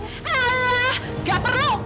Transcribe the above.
alah gak perlu